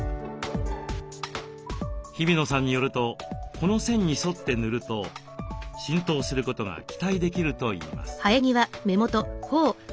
日比野さんによるとこの線に沿って塗ると浸透することが期待できるといいます。